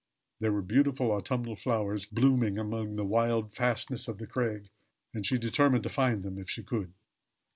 There were beautiful autumnal flowers blooming amid the wild fastnesses of the crag, and she determined to find them if she could.